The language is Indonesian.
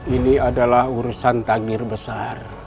ini adalah urusan tagir besar